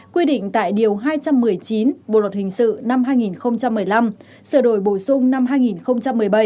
quy định tại điều hai trăm một mươi chín bộ luật hình sự năm hai nghìn một mươi năm sửa đổi bổ sung năm hai nghìn một mươi bảy